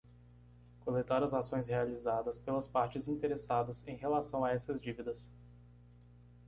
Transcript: Coletar as ações realizadas pelas partes interessadas em relação a essas dívidas.